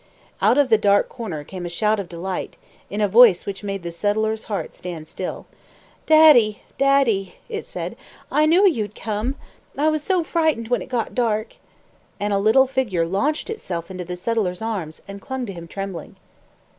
Out of the dark corner came a shout of delight, in a voice which made the settler's heart stand still. "Daddy, Daddy," it said, "I knew you'd come. I was so frightened when it got dark!" And a little figure launched itself into the settler's arms, and clung to him trembling.